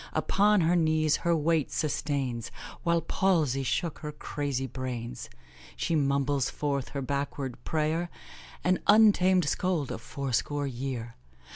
Upon her knees her weight sustains, While palsy shook her crazy brains; She mumbles forth her backward prayer An untamed scold of fourscore year.